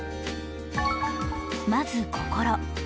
まず「心」。